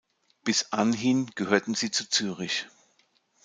Bis anhin gehörten sie zu Zürich.